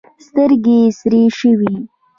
سترګې یې سرې شوې.